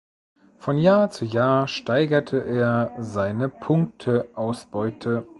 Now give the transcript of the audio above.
Von Jahr zu Jahr steigerte er seine Punkteausbeute.